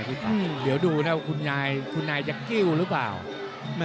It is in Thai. เดี๋ยวดูนะว่าคุณนายจะกิ้วหรือเปล่า